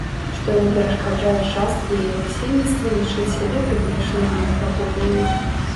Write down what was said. Што не перашкаджае часткі яе насельніцтва лічыць сябе прыгнечанымі метраполіяй.